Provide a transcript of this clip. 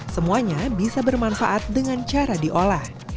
semuanya bisa bermanfaat dengan cara diolah